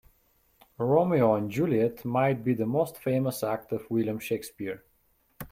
Romeo and Juliet might be the most famous act of William Shakespeare.